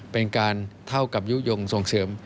เป็นการเท่ากับยุโยงส่งเสริม